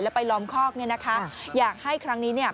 ไปล้อมคอกเนี่ยนะคะอยากให้ครั้งนี้เนี่ย